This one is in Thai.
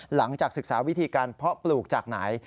หลังจากศึกษาวิธีการเพาะปลูกจากไหน